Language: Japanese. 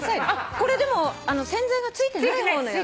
これでも洗剤がついてない方のやつ？